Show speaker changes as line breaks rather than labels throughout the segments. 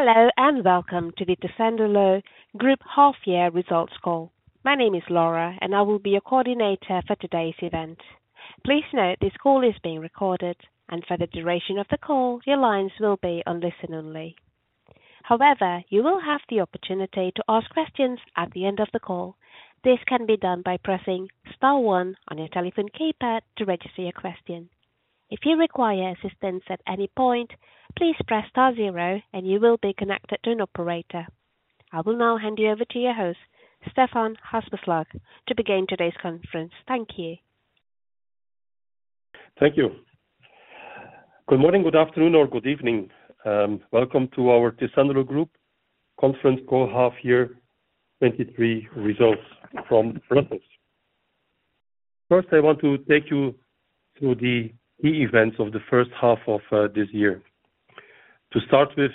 Hello, and welcome to the Tessenderlo Group half year results call. My name is Laura, and I will be your coordinator for today's event. Please note, this call is being recorded, and for the duration of the call, your lines will be on listen-only. However, you will have the opportunity to ask questions at the end of the call. This can be done by pressing star one on your telephone keypad to register your question. If you require assistance at any point, please press star zero and you will be connected to an operator. I will now hand you over to your host, Stefaan Haspeslagh, to begin today's conference. Thank you.
Thank you. Good morning, good afternoon, or good evening, welcome to our Tessenderlo Group conference call half-year 2023 results from Brussels. First, I want to take you through the key events of the first half of this year. To start with,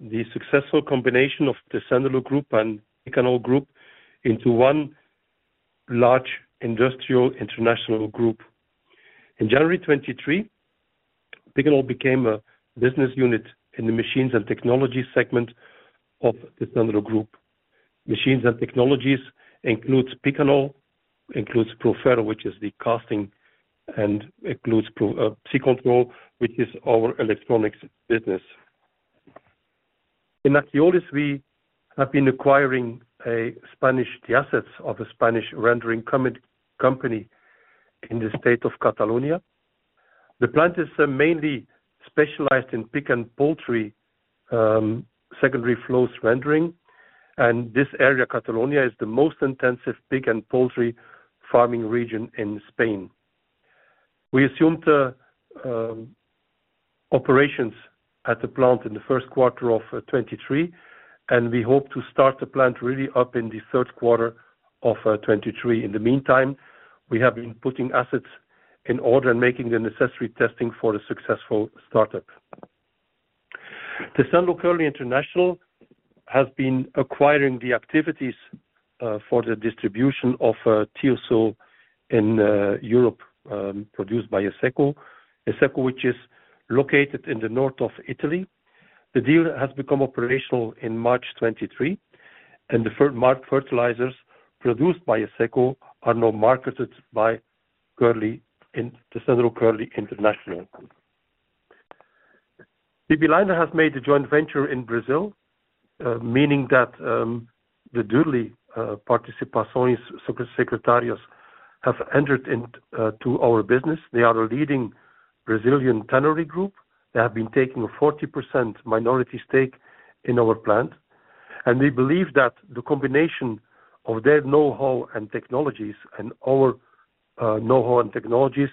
the successful combination of Tessenderlo Group and Picanol Group into one large industrial international group. In January 2023, Picanol became a business unit in the machines and technologies segment of Tessenderlo Group. Machines and technologies includes Picanol, includes Proferro, which is the casting, and includes PsiControl, which is our electronics business. In Akiolis, we have been acquiring the assets of a Spanish rendering company in the state of Catalonia. The plant is mainly specialized in pig and poultry secondary flows rendering, and this area, Catalonia, is the most intensive pig and poultry farming region in Spain.We assumed the operations at the plant in the first quarter of 2023, and we hope to start the plant really up in the third quarter of 2023. In the meantime, we have been putting assets in order and making the necessary testing for the successful startup. Tessenderlo Kerley International has been acquiring the activities for the distribution of Thio-Sul in Europe, produced by Esseco. Esseco, which is located in the north of Italy. The deal has become operational in March 2023, and the fertilizers produced by Esseco are now marketed by Tessenderlo Kerley International. PB Leiner has made a joint venture in Brazil, meaning that the Durli Participações Societárias They have been taking a 40% minority stake in our plant, and we believe that the combination of their know-how and technologies and our know-how and technologies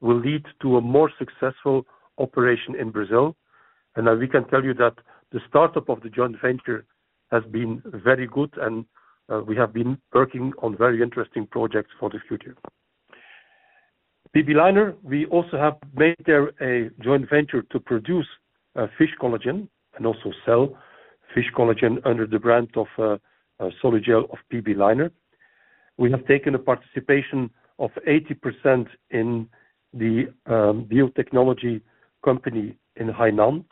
will lead to a more successful operation in Brazil. We can tell you that the startup of the joint venture has been very good and we have been working on very interesting projects for the future. PB Leiner, we also have made there a joint venture to produce fish collagen and also sell fish collagen under the brand of Solagel of PB Leiner. We have taken a participation of 80% in the biotechnology company in Hainan.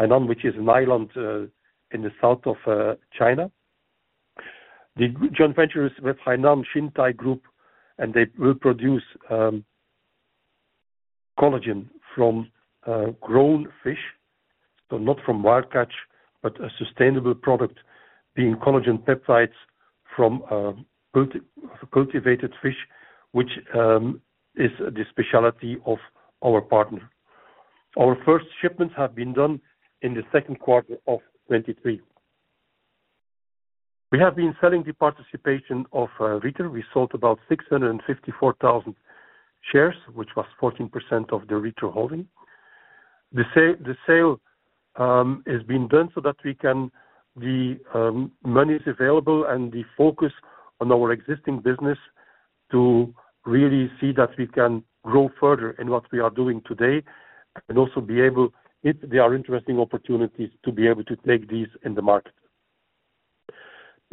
Hainan, which is an island in the south of China. The joint venture is with Hainan Xiangtai Group, and they will produce collagen from grown fish, so not from wild catch, but a sustainable product, being collagen peptides from cultivated fish, which is the specialty of our partner. Our first shipments have been done in the second quarter of 2023. We have been selling the participation of Rieter. We sold about 654,000 shares, which was 14% of the Rieter holding. The sale has been done so that we can... The money is available and the focus on our existing business to really see that we can grow further in what we are doing today, and also be able, if there are interesting opportunities, to be able to take these in the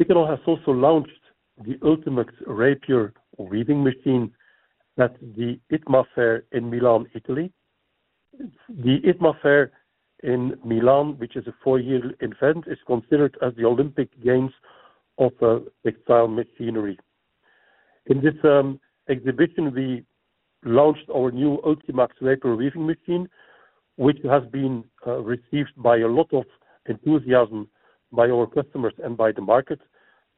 market. Picanol has also launched the Ultimax rapier weaving machine at the ITMA Fair in Milan, Italy. The ITMA Fair in Milan, which is a four-year event, is considered as the Olympic Games of textile machinery. In this exhibition, we launched our new Ultimax rapier weaving machine, which has been received by a lot of enthusiasm by our customers and by the market.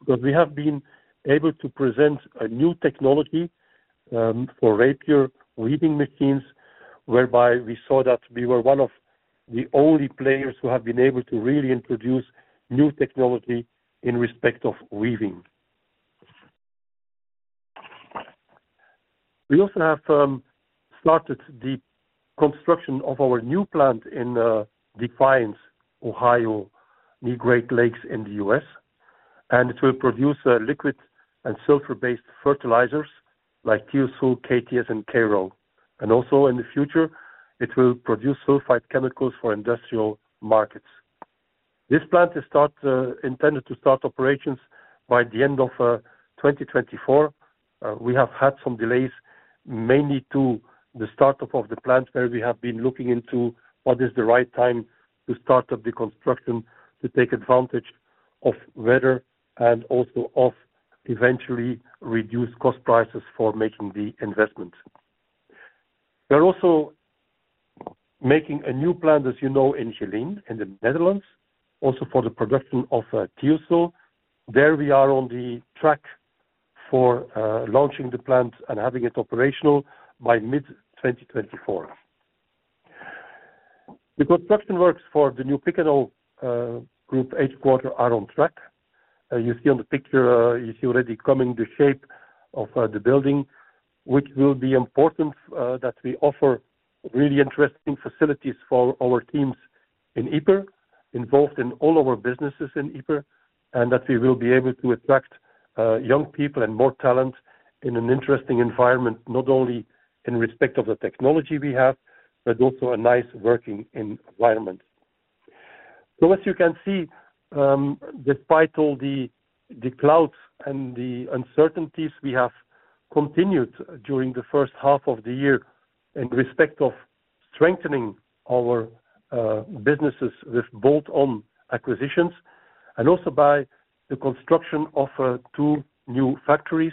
Because we have been able to present a new technology for rapier weaving machines, whereby we saw that we were one of the only players who have been able to really introduce new technology in respect of weaving. We also have started the construction of our new plant in Defiance, Ohio, the Great Lakes in the U.S., and it will produce liquid and sulfur-based fertilizers like Thio-Sul, KTS, and K-Row. Also in the future, it will produce sulfite chemicals for industrial markets. This plant is intended to start operations by the end of 2024. We have had some delays, mainly to the start-up of the plant, where we have been looking into what is the right time to start up the construction, to take advantage of weather and also of eventually reduced cost prices for making the investment. We are also making a new plant, as you know, in Geleen, in the Netherlands, also for the production of Thio-Sul. There we are on the track for launching the plant and having it operational by mid-2024. The construction works for the new Picanol Group headquarters are on track. You see on the picture, you see already coming the shape of the building, which will be important that we offer really interesting facilities for our teams in Ypres, involved in all our businesses in Ypres, and that we will be able to attract young people and more talent in an interesting environment, not only in respect of the technology we have, but also a nice working environment. As you can see, despite all the clouds and the uncertainties, we have continued during the first half of the year in respect of strengthening our businesses with bolt-on acquisitions and also by the construction of two new factories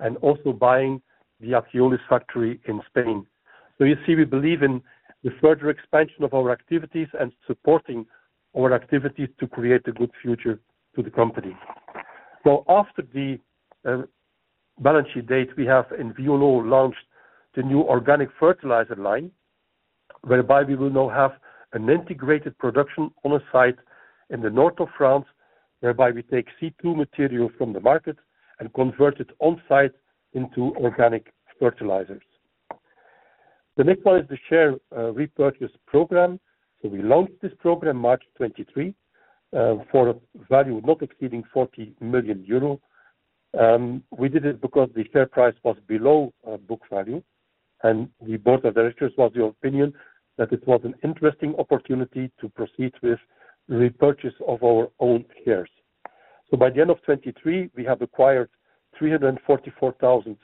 and also buying the Akiolis factory in Spain. You see, we believe in the further expansion of our activities and supporting our activities to create a good future to the company. After the balance sheet date, we have in Villers launched the new organic fertilizer line, whereby we will now have an integrated production on a site in the north of France, whereby we take C2 material from the market and convert it on-site into organic fertilizers. The next one is the share repurchase program. We launched this program March 2023 for a value not exceeding 40 million euro. We did it because the share price was below book value, and the board of directors was the opinion that it was an interesting opportunity to proceed with repurchase of our own shares. By the end of 2023, we have acquired 344,000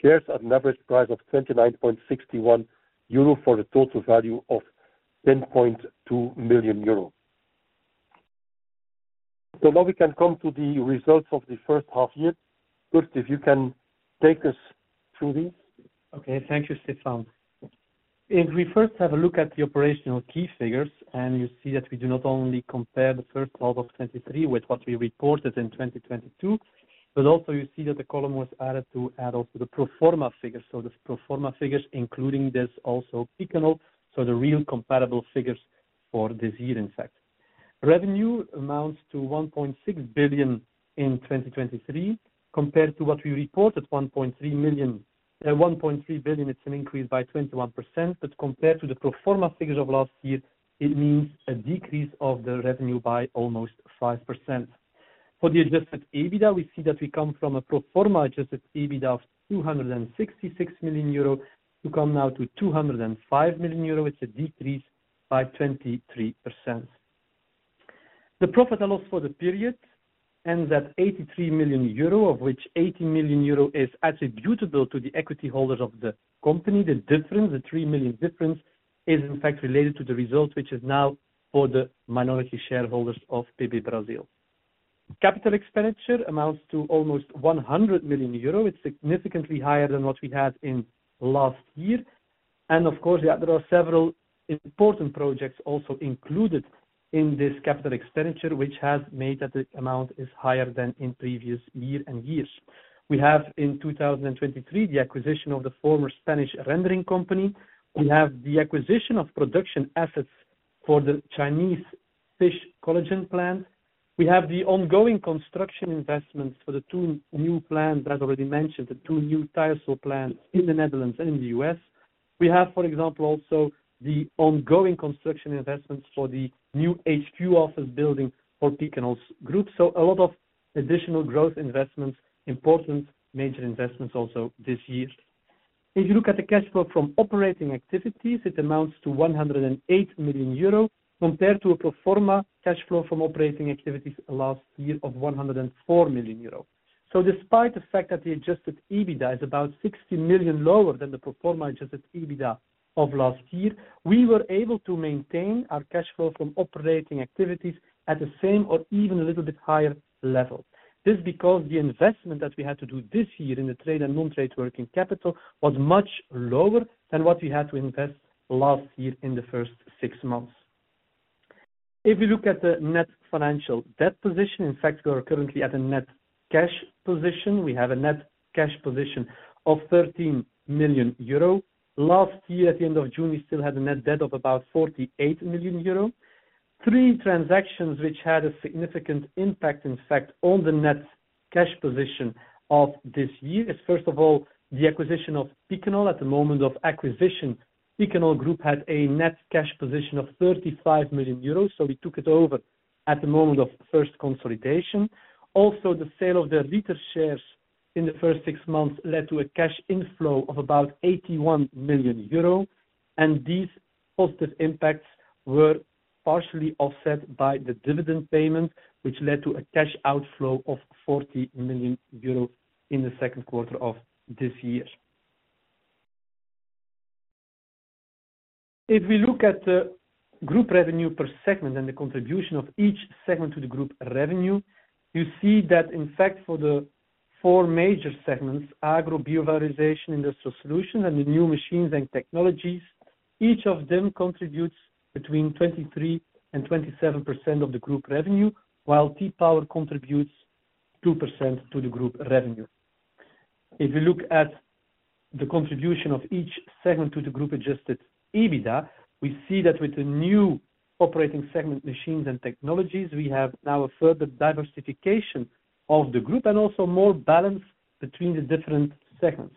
shares at an average price of 29.61 euro for a total value of 10.2 million euro. Now we can come to the results of the first half year. Kurt, if you can take us through this.
Okay. Thank you, Stefaan. If we first have a look at the operational key figures, and you see that we do not only compare the first half of 2023 with what we reported in 2022, but also you see that the column was added to add also the pro forma figures. The pro forma figures, including this also Picanol, so the real comparable figures for this year, in fact. Revenue amounts to 1.6 billion in 2023, compared to what we reported, 1.3 billion. It's an increase by 21%, but compared to the pro forma figures of last year, it means a decrease of the revenue by almost 5%. For the Adjusted EBITDA, we see that we come from a pro forma Adjusted EBITDA of 266 million euro to come now to 205 million euro, it's a decrease by 23%. The profit allowance for the period ends at 83 million euro, of which 80 million euro is attributable to the equity holders of the company. The difference, the 3 million difference, is in fact related to the results, which is now for the minority shareholders of PB Brazil. Capital expenditure amounts to almost 100 million euro. It's significantly higher than what we had in last year. Of course, there are several important projects also included in this capital expenditure, which has made that the amount is higher than in previous year and years. We have, in 2023, the acquisition of the former Spanish rendering company. We have the acquisition of production assets for the Chinese fish collagen plant. We have the ongoing construction investments for the two new plants, as already mentioned, the two new Thio plants in the Netherlands and in the US. We have, for example, also the ongoing construction investments for the new HQ office building for Picanol Group. A lot of additional growth investments, important major investments also this year. If you look at the cash flow from operating activities, it amounts to 108 million euro, compared to a pro forma cash flow from operating activities last year of 104 million euro. Despite the fact that the Adjusted EBITDA is about 60 million lower than the pro forma Adjusted EBITDA of last year, we were able to maintain our cash flow from operating activities at the same or even a little bit higher level. This because the investment that we had to do this year in the trade and non-trade working capital was much lower than what we had to invest last year in the first 6 months. If you look at the net financial debt position, in fact, we are currently at a net cash position. We have a net cash position of 13 million euro. Last year, at the end of June, we still had a net debt of about 48 million euro. 3 transactions, which had a significant impact, in fact, on the net cash position of this year, is, first of all, the acquisition of Picanol. At the moment of acquisition, Picanol Group had a net cash position of 35 million euros, so we took it over at the moment of first consolidation. Also, the sale of the Rieter shares in the first six months led to a cash inflow of about 81 million euro, and these positive impacts were partially offset by the dividend payment, which led to a cash outflow of 40 million euros in the second quarter of this year. If we look at the group revenue per segment and the contribution of each segment to the group revenue, you see that in fact, for the four major segments, Agro, Bio-valorization, Industrial Solutions, and the new Machines and Technologies, each of them contributes between 23%-27% of the group revenue, while T-Power contributes 2% to the group revenue. If you look at the contribution of each segment to the group Adjusted EBITDA, we see that with the new operating segment, Machines and Technologies, we have now a further diversification of the group and also more balance between the different segments.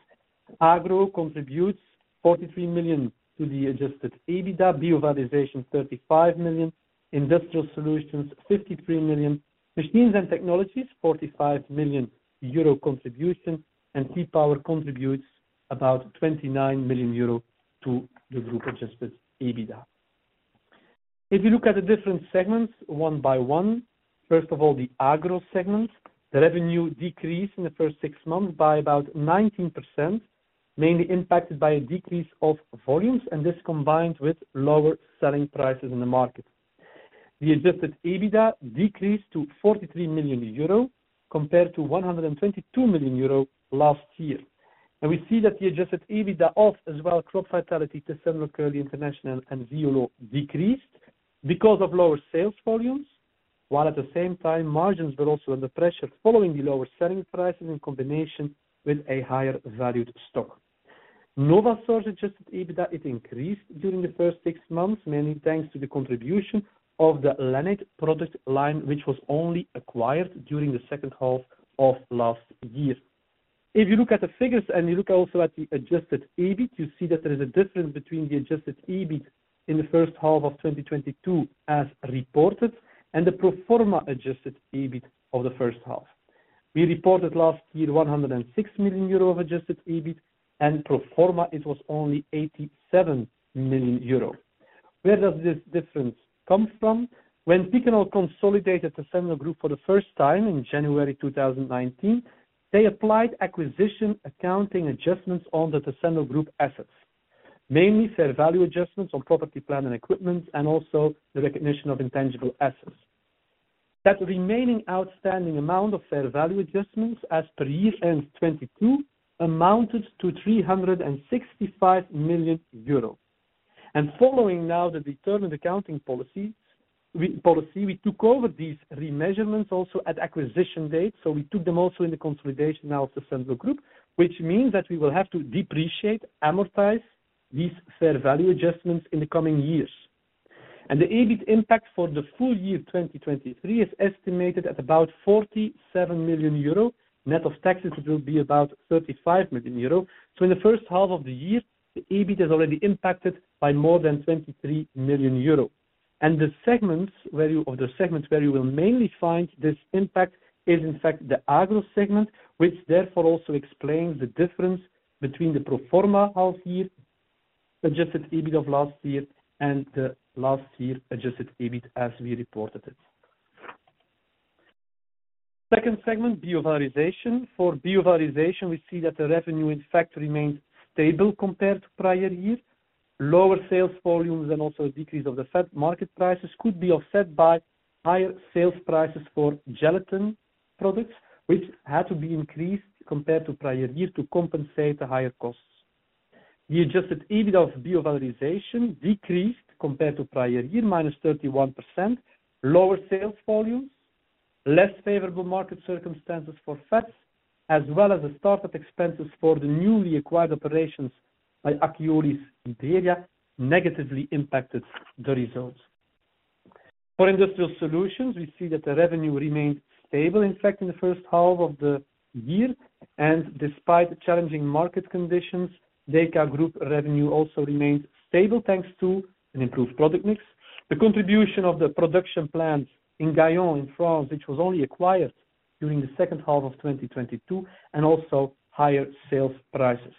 Agro contributes 43 million to the Adjusted EBITDA, Bio-valorization, 35 million, Industrial Solutions, 53 million, Machines and Technologies, 45 million euro contribution, and T-Power contributes about 29 million euro to the group Adjusted EBITDA. If you look at the different segments, one by one, first of all, the Agro segment, the revenue decreased in the first 6 months by about 19%, mainly impacted by a decrease of volumes, and this combined with lower selling prices in the market. The Adjusted EBITDA decreased to 43 million euro, compared to 122 million euro last year. We see that the Adjusted EBITDA of, as well, Crop Vitality, Tessenderlo Kerley International, and Zeolo decreased because of lower sales volumes, while at the same time, margins were also under pressure following the lower selling prices in combination with a higher valued stock. Novasource Adjusted EBITDA, it increased during the first six months, mainly thanks to the contribution of the Lannate product line, which was only acquired during the second half of last year. If you look at the figures and you look also at the Adjusted EBIT, you see that there is a difference between the Adjusted EBIT in the first half of 2022 as reported and the pro forma Adjusted EBIT of the first half. We reported last year 106 million euro of Adjusted EBIT, and pro forma, it was only 87 million euro. Where does this difference come from? When Picanol consolidated the Tessenderlo Group for the first time in January 2019, they applied acquisition accounting adjustments on the Tessenderlo Group assets, mainly fair value adjustments on property, plant, and equipment, and also the recognition of intangible assets. That remaining outstanding amount of fair value adjustments as per year-end 2022 amounted to 365 million euros. Following now the determined accounting policy, we took over these remeasurements also at acquisition date, so we took them also in the consolidation now of Tessenderlo Group, which means that we will have to depreciate, amortize these fair value adjustments in the coming years. The EBIT impact for the full year 2023 is estimated at about 47 million euro. Net of taxes, it will be about 35 million euro. In the first half of the year, the EBIT has already impacted by more than 23 million euro, and the segments where you will mainly find this impact is, in fact, the Agro segment, which therefore also explains the difference between the pro forma half year adjusted EBIT of last year and the last year adjusted EBIT as we reported it. Second segment, Bio-valorization. For Bio-valorization, we see that the revenue, in fact, remains stable compared to prior years. Lower sales volumes and also a decrease of the fat market prices could be offset by higher sales prices for gelatin products, which had to be increased compared to prior years to compensate the higher costs. The adjusted EBIT of Bio-valorization decreased compared to prior year, minus 31%. Lower sales volumes, less favorable market circumstances for fats, as well as the startup expenses for the newly acquired operations by Akiolis in Korea, negatively impacted the results. For Industrial Solutions, we see that the revenue remained stable, in fact, in the first half of the year, and despite challenging market conditions, DYKA Group revenue also remained stable, thanks to an improved product mix, the contribution of the production plant in Gaillon, France, which was only acquired during the second half of 2022, and also higher sales prices.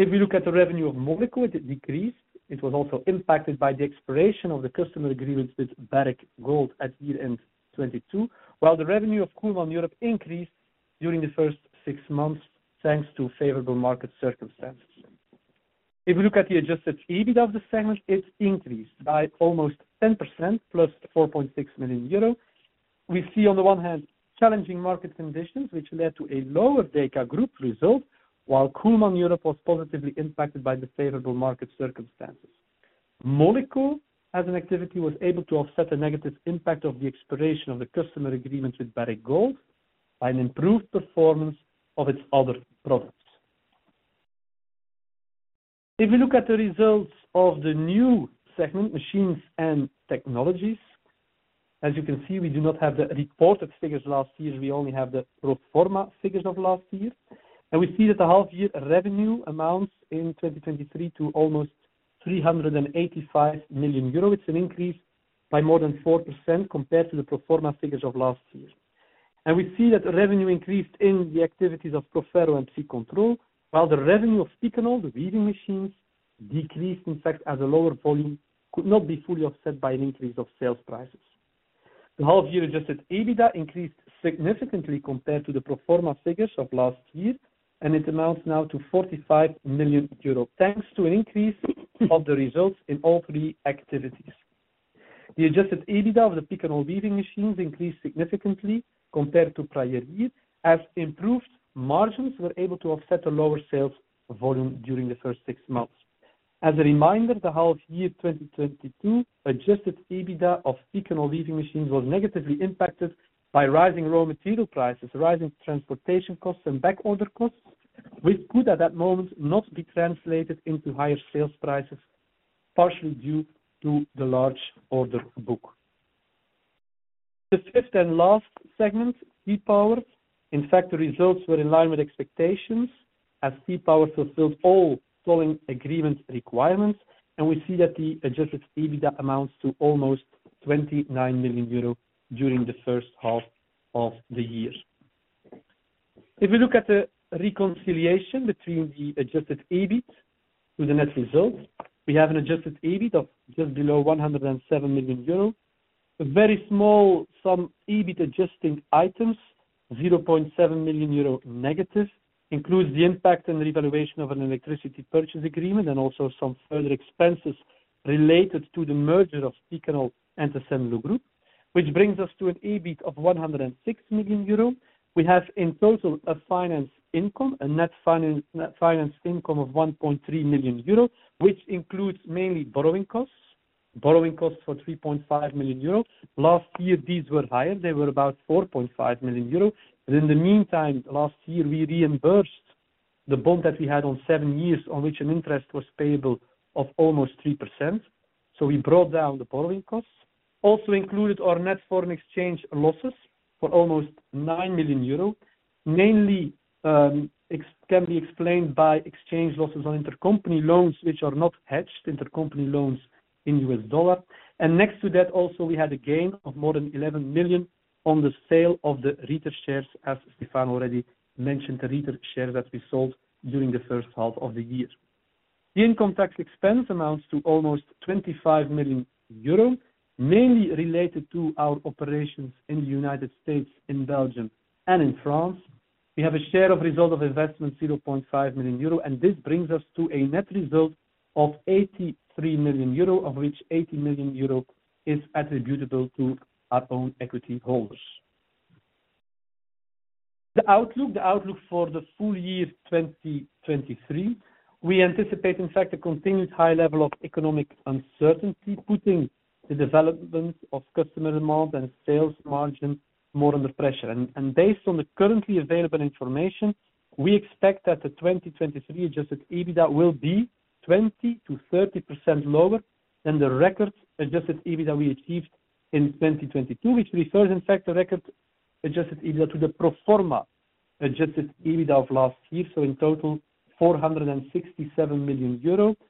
If you look at the revenue of Moleko, it decreased. It was also impacted by the expiration of the customer agreements with Barrick Gold at year-end 2022, while the revenue of Kuhlmann Europe increased during the first six months, thanks to favorable market circumstances. If you look at the Adjusted EBIT of the segment, it increased by almost 10%, plus 4.6 million euro. We see, on the one hand, challenging market conditions, which led to a lower DYKA Group result, while Kuhlmann Europe was positively impacted by the favorable market circumstances. Moleko, as an activity, was able to offset the negative impact of the expiration of the customer agreement with Barrick Gold by an improved performance of its other products. If we look at the results of the new segment, Machines and Technologies, as you can see, we do not have the reported figures last year. We only have the pro forma figures of last year, and we see that the half year revenue amounts in 2023 to almost 385 million euro. It's an increase by more than 4% compared to the pro forma figures of last year. And we see that the revenue increased in the activities of Proferro and Psicontrol, while the revenue of Picanol, the weaving machines, decreased, in fact, as a lower volume could not be fully offset by an increase of sales prices. The half year adjusted EBITDA increased significantly compared to the pro forma figures of last year, and it amounts now to 45 million euros, thanks to an increase of the results in all three activities. The adjusted EBITDA of the Picanol weaving machines increased significantly compared to prior year, as improved margins were able to offset the lower sales volume during the first six months. As a reminder, the half year 2022 adjusted EBITDA of Picanol weaving machines was negatively impacted by rising raw material prices, rising transportation costs and back order costs, which could, at that moment, not be translated into higher sales prices, partially due to the large order book. The fifth and last segment, T-Power. In fact, the results were in line with expectations, as T-Power fulfilled all flowing agreement requirements, and we see that the adjusted EBITDA amounts to almost 29 million euro during the first half of the year. If we look at the reconciliation between the adjusted EBIT to the net result, we have an adjusted EBIT of just below 107 million euro. A very small sum, EBIT adjusting items, negative 0.7 million euro, includes the impact and revaluation of an electricity purchase agreement and also some further expenses related to the merger of Picanol and Tessenderlo Group, which brings us to an EBIT of 106 million euro. We have in total, a finance income, a net finance, net finance income of 1.3 million euro, which includes mainly borrowing costs. Borrowing costs for 3.5 million euro. Last year, these were higher. They were about 4.5 million euro. But in the meantime, last year, we reimbursed the bond that we had on 7 years, on which an interest was payable of almost 3%. So we brought down the borrowing costs. Also included our net foreign exchange losses for almost 9 million euros. Mainly, can be explained by exchange losses on intercompany loans, which are not hedged, intercompany loans in U.S. dollar. And next to that, also, we had a gain of more than 11 million on the sale of the Rieter shares, as Stefan already mentioned, the Rieter shares that we sold during the first half of the year. The income tax expense amounts to almost 25 million euro, mainly related to our operations in the United States, in Belgium, and in France. We have a share of result of investment, 0.5 million euro, and this brings us to a net result of 83 million euro, of which 80 million euro is attributable to our own equity holders. The outlook for the full year 2023, we anticipate, in fact, a continuous high level of economic uncertainty, putting the development of customer demand and sales margin more under pressure. based on the currently available information, we expect that the 2023 Adjusted EBITDA will be 20%-30% lower than the record Adjusted EBITDA we achieved in 2022, which refers, in fact, the record Adjusted EBITDA to the pro forma Adjusted EBITDA of last year. In total, 467 million euro. That's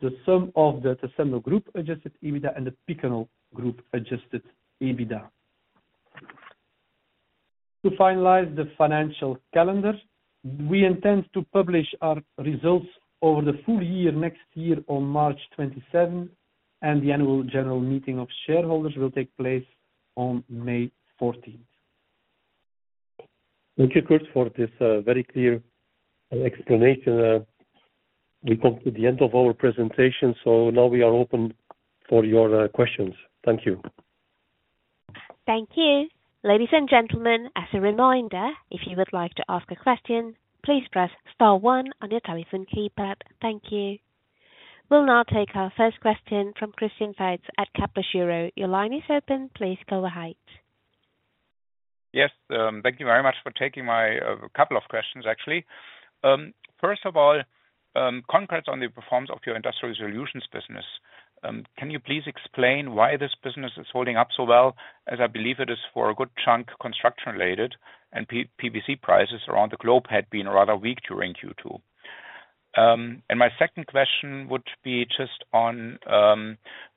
the sum of the Tessenderlo Group Adjusted EBITDA and the Picanol Group Adjusted EBITDA. To finalize the financial calendar, we intend to publish our results over the full year, next year on March twenty-seventh, and the annual general meeting of shareholders will take place on May fourteenth.
Thank you, Kurt, for this very clear explanation. We come to the end of our presentation, so now we are open for your questions. Thank you.
Thank you. Ladies and gentlemen, as a reminder, if you would like to ask a question, please press star one on your telephone keypad. Thank you. We'll now take our first question from Christian Faitz at Kepler Cheuvreux. Your line is open. Please go ahead.
Yes, thank you very much for taking my couple of questions, actually. First of all, congrats on the performance of your industrial solutions business. Can you please explain why this business is holding up so well, as I believe it is for a good chunk, construction-related, and PVC prices around the globe had been rather weak during Q2? My second question would be just on,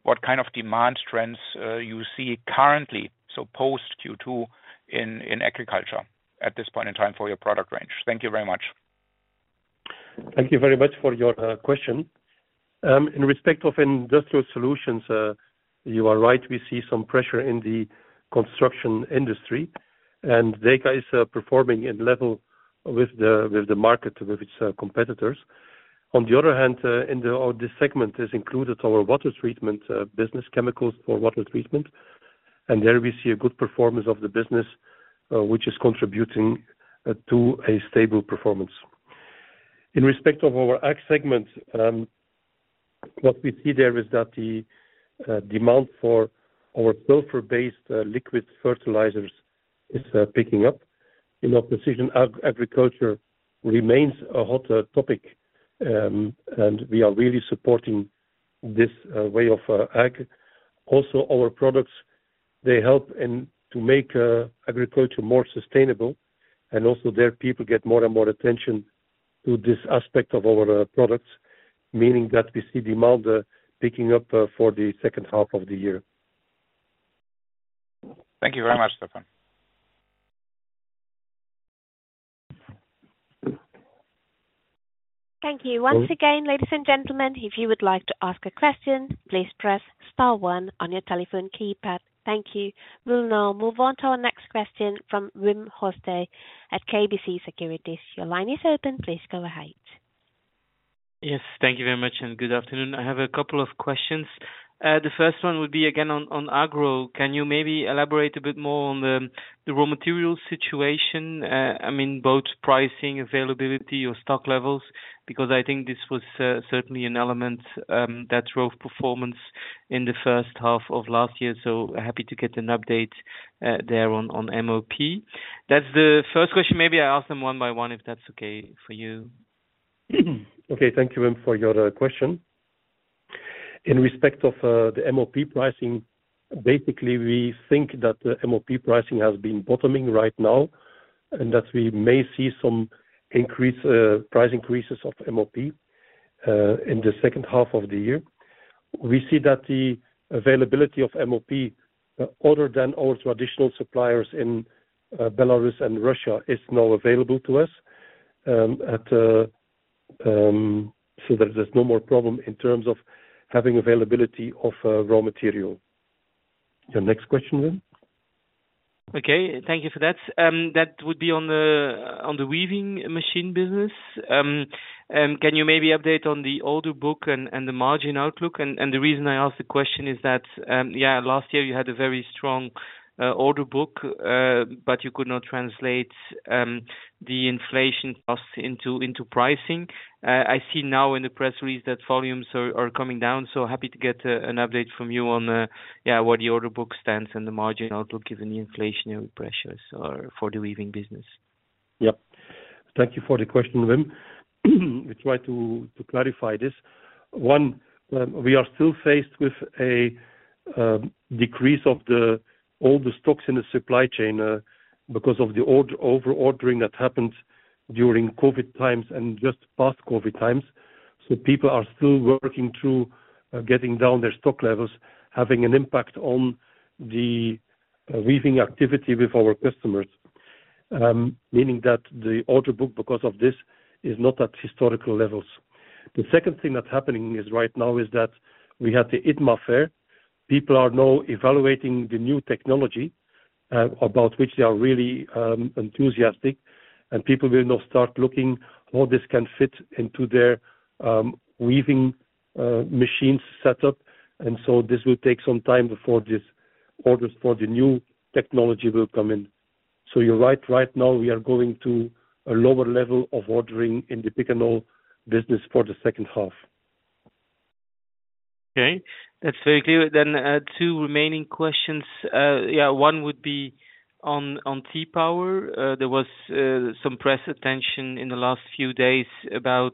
what kind of demand trends you see currently, so post-Q2, in agriculture at this point in time for your product range? Thank you very much.
Thank you very much for your question. In respect of Industrial Solutions, you are right, we see some pressure in the construction industry, and DYKA is performing at level with the market, with its competitors. On the other hand, in this segment is included our water treatment business, chemicals for water treatment, and there we see a good performance of the business, which is contributing to a stable performance. In respect of our ag segment, what we see there is that the demand for our sulfur-based liquid fertilizers is picking up. You know, precision agriculture remains a hot topic, and we are really supporting this way of ag. Also, our products, they help in to make agriculture more sustainable, and also their people get more and more attention. To this aspect of our products, meaning that we see demand picking up for the second half of the year.
Thank you very much, Stefaan.
Thank you once again, ladies and gentlemen. If you would like to ask a question, please press star one on your telephone keypad. Thank you. We'll now move on to our next question from Wim Hoste at KBC Securities. Your line is open. Please go ahead.
Yes. Thank you very much, and good afternoon. I have a couple of questions. The first one would be again on agro. Can you maybe elaborate a bit more on the raw material situation? I mean, both pricing, availability, or stock levels, because I think this was certainly an element that drove performance in the first half of last year. So happy to get an update there on MOP. That's the first question. Maybe I ask them one by one, if that's okay for you.
Okay, thank you, Wim, for your question. In respect of the MOP pricing, basically, we think that the MOP pricing has been bottoming right now, and that we may see some increase, price increases of MOP in the second half of the year. We see that the availability of MOP, other than our traditional suppliers in Belarus and Russia, is now available to us. So there's no more problem in terms of having availability of raw material. Your next question, Wim?
Okay, thank you for that. That would be on the weaving machine business. Can you maybe update on the order book and the margin outlook? And the reason I ask the question is that, yeah, last year you had a very strong order book, but you could not translate the inflation costs into pricing. I see now in the press release that volumes are coming down, so happy to get an update from you on, yeah, where the order book stands and the margin outlook, given the inflationary pressures or for the weaving business.
Yep. Thank you for the question, Wim. We try to, to clarify this. One, we are still faced with a decrease of all the stocks in the supply chain, because of the over-ordering that happened during COVID times and just past COVID times. So people are still working through, getting down their stock levels, having an impact on the weaving activity with our customers. Meaning that the order book, because of this, is not at historical levels. The second thing that's happening is right now is that we have the ITMA fair. People are now evaluating the new technology, about which they are really enthusiastic, and people will now start looking how this can fit into their weaving machines set up. This will take some time before these orders for the new technology will come in, so you're right. Right now, we are going to a lower level of ordering in the Picanol business for the second half.
Okay, that's very clear. Then, two remaining questions. Yeah, one would be on, on T-Power. There was, some press attention in the last few days about,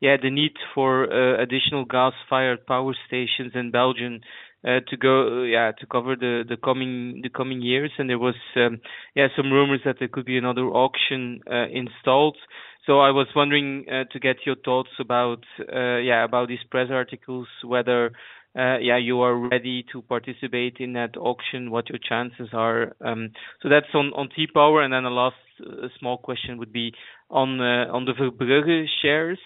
yeah, the need for, additional gas-fired power stations in Belgium, to go, yeah, to cover the, the coming, the coming years. There was, yeah, some rumors that there could be another auction, installed, so I was wondering, to get your thoughts about, yeah, about these press articles, whether, yeah, you are ready to participate in that auction, what your chances are. That's on, on T-Power, and then the last small question would be on the, on the Verbrugge shares.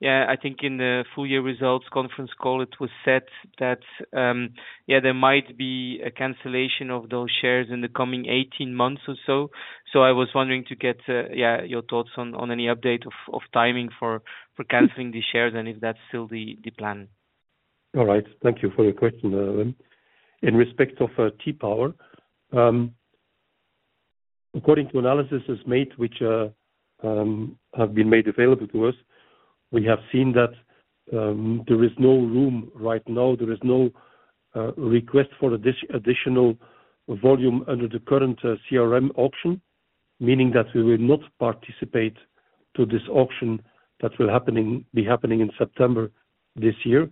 Yeah, I think in the full-year results conference call, it was said that, yeah, there might be a cancellation of those shares in the coming 18 months or so, so I was wondering to get, your thoughts on any update of timing for canceling the shares and if that's still the plan.
All right. Thank you for your question, Wim. In respect of T-Power, according to analysis made, which have been made available to us, we have seen that there is no room right now, there is no request for additional volume under the current CRM auction, meaning that we will not participate to this auction that will be happening in September this year.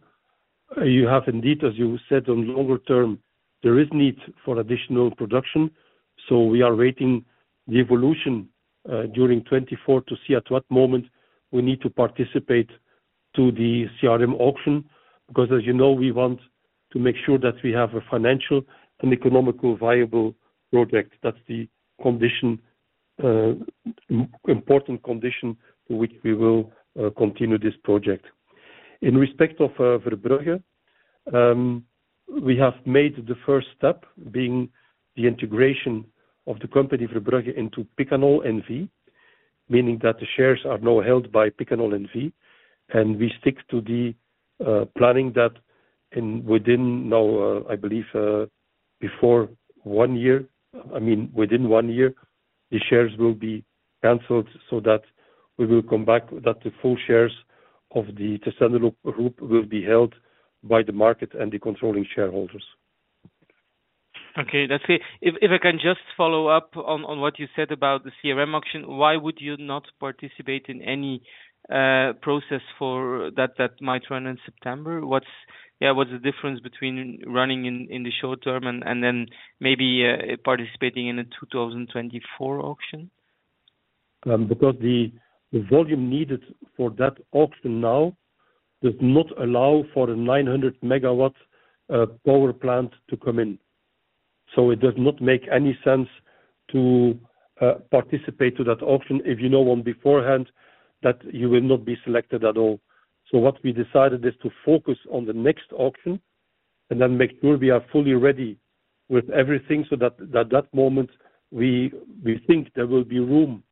You have indeed, as you said, on longer term, there is need for additional production. So we are waiting the evolution during 2024 to see at what moment we need to participate to the CRM auction, because as you know, we want to make sure that we have a financial and economical viable project. That's the condition, important condition to which we will continue this project. In respect of Verbrugge, we have made the first step, being the integration of the company, Verbrugge, into Picanol NV, meaning that the shares are now held by Picanol NV, and we stick to the planning that and within now, I believe, before one year, I mean, within one year, the shares will be canceled so that we will come back, that the full shares of the Tessenderlo Group will be held by the market and the controlling shareholders.
Okay, that's clear. If I can just follow up on what you said about the CRM auction, why would you not participate in any process for that that might run in September? What's the difference between running in the short term and then maybe participating in a 2024 auction?
The volume needed for that auction now does not allow for a 900 MW power plant to come in, so it does not make any sense to participate to that auction if you know on beforehand that you will not be selected at all. What we decided is to focus on the next auction and then make sure we are fully ready with everything, so that at that moment we think there will be room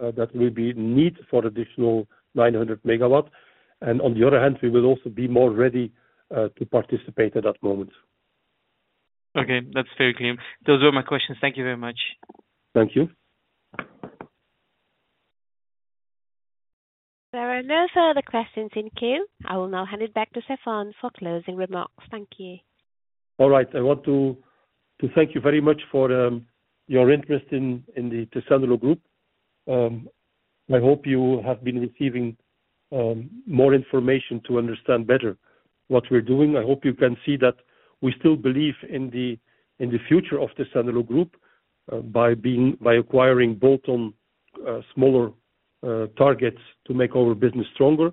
that will be need for additional 900 MW. And on the other hand, we will also be more ready to participate at that moment.
Okay, that's very clear. Those were my questions. Thank you very much.
Thank you.
There are no further questions in queue. I will now hand it back to Stefaan for closing remarks. Thank you.
All right. I want to thank you very much for your interest in the Tessenderlo Group. I hope you have been receiving more information to understand better what we're doing. I hope you can see that we still believe in the future of Tessenderlo Group by acquiring both on smaller targets to make our business stronger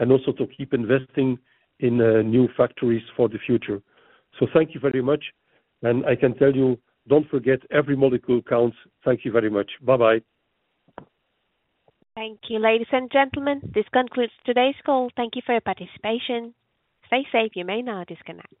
and also to keep investing in new factories for the future. So thank you very much, and I can tell you, don't forget, every molecule counts. Thank you very much. Bye-bye.
Thank you, ladies and gentlemen. This concludes today's call. Thank you for your participation. Stay safe. You may now disconnect.